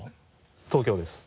東京です。